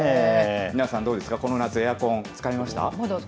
皆さんどうですか、この夏、エアコン、使いました？